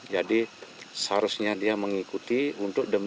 jadi seharusnya dia mengikuti untuk demi